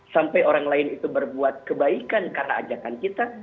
sampai orang lain itu berbuat kebaikan karena ajakan kita